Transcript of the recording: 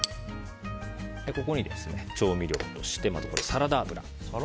ここに調味料としてサラダ油。